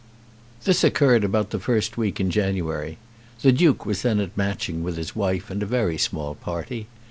This occurred about the first week in January. The Duke was then at Matching with his wife and a very small party.